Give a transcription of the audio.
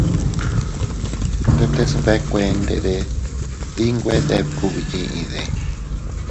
¡Ndetes nbekuended dii nwe deb kugbyiʼide!